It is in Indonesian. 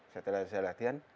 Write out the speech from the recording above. setelah saya latihan